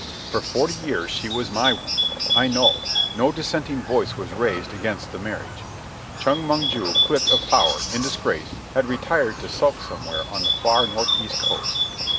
For forty years she was my woman. I know. No dissenting voice was raised against the marriage. Chong Mong ju, clipped of power, in disgrace, had retired to sulk somewhere on the far north east coast.